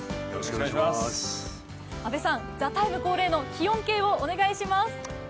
阿部さん、「ＴＨＥＴＩＭＥ，」恒例の気温計をお願いします。